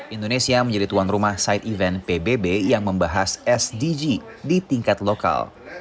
indonesia menjadi tuan rumah side event pbb yang membahas sdg di tingkat lokal